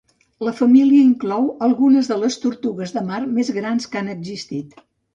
La família inclou algunes de les tortugues de mar més grans que han existit.